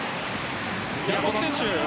山本選手